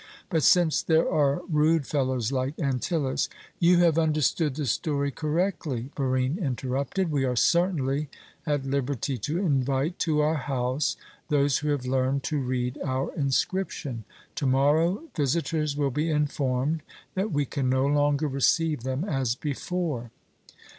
But since there are rude fellows like Antyllus " "You have understood the story correctly," Barine interrupted. "We are certainly at liberty to invite to our house those who have learned to read our inscription. To morrow visitors will be informed that we can no longer receive them as before."